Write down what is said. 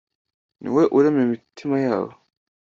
Ni we urema imitima yabo